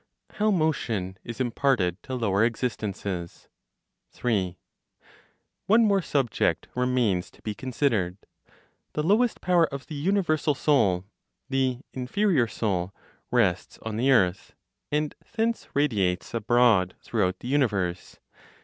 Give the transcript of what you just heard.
HOW MOTION IS IMPARTED TO LOWER EXISTENCES. 3. One more subject remains to be considered. The lowest power of the universal Soul (the inferior soul), rests on the earth, and thence radiates abroad throughout the universe.